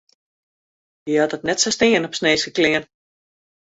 Hy hat it net sa stean op sneinske klean.